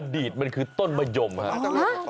ดีดมันคือต้นมะยมครับ